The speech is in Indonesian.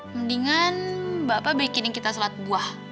mendingan bapak bikin kita shalat buah